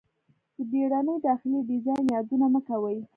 د بیړني داخلي ډیزاین یادونه مه کوئ